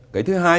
cái thứ hai